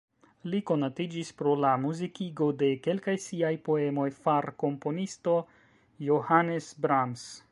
Li konatiĝis pro la muzikigo de kelkaj siaj poemoj far komponisto Johannes Brahms.